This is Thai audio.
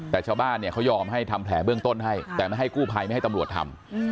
แต่ชาวบ้านเนี่ยเขายอมให้ทำแผลเบื้องต้นให้แต่ไม่ให้กู้ภัยไม่ให้ตำรวจทำ